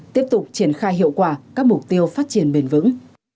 tiếp tục triển khai hiệu quả các mục tiêu phát triển bền vững